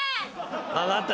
分かった。